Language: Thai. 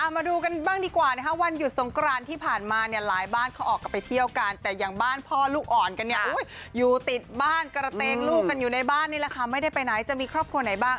มาดูกันบ้างดีกว่านะคะวันหยุดสงกรานที่ผ่านมาเนี่ยหลายบ้านเขาออกกันไปเที่ยวกันแต่อย่างบ้านพ่อลูกอ่อนกันเนี่ยอยู่ติดบ้านกระเตงลูกกันอยู่ในบ้านนี่แหละค่ะไม่ได้ไปไหนจะมีครอบครัวไหนบ้าง